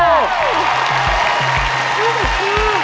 มาใกล้